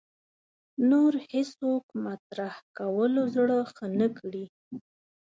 نور هېڅوک مطرح کولو زړه ښه نه کړي